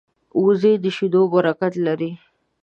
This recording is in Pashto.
وزې د شیدو برکت لري